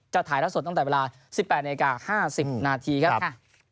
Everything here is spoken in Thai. ถ่ายแล้วสดตั้งแต่เวลา๑๘นาที๕๐นาทีครับ